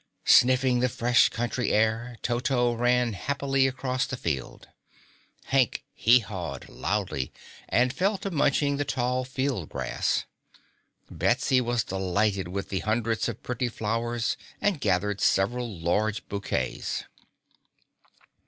Sniffing the fresh country air, Toto ran happily across the field. Hank hee hawed loudly and fell to munching the tall field grass. Betsy was delighted with the hundreds of pretty flowers and gathered several large bouquets.